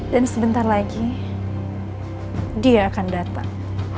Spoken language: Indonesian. sebentar lagi dia akan datang